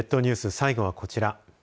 最後はこちら。